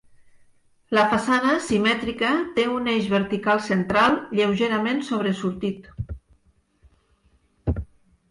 La façana, simètrica, té un eix vertical central, lleugerament sobresortit.